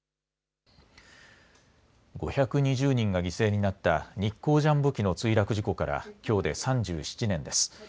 ５２０人が犠牲になった日航ジャンボ機の墜落事故からきょうで３７年です。